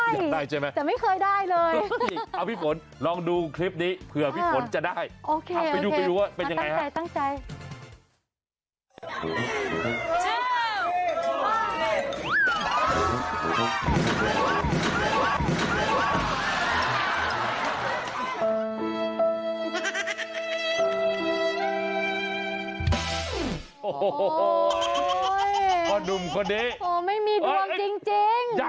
อยากได้แต่ไม่เคยได้เลย